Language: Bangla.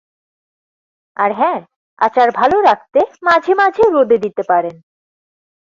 আর হ্যাঁ, আচার ভালো রাখতে মাঝে মাঝে রোদে দিতে পারেন।